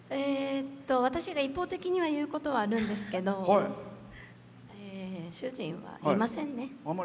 私が一方的に言うことはあるんですけど主人は言いませんね。